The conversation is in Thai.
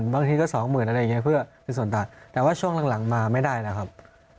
บางทีก็สองหมื่นอะไรอย่างนี้เพื่อเป็นส่วนต่างแต่ว่าช่วงหลังมาไม่ได้แล้วครับ